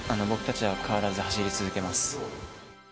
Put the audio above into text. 僕たちは変わらず走り続けます。